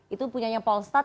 itu punyanya polstat